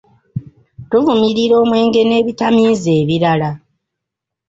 Tuvumirira omwenge n'ebitamiiza ebirala.